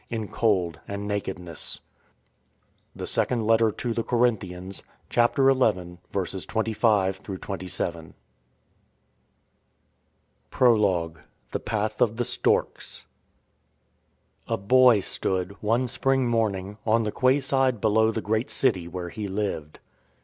In cold and nakedness. The Second Letter to the Corinthians, chapter xi, verses 25 27. PROLOGUE THE PATH OF THE STORKS THE PATH OF THE STORKS A BOY stood, one spring morning, on the quay side below the great city where he Hved.